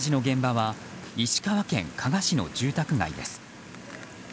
火事の現場は石川県加賀市の住宅街です。